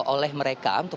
oleh mereka untuk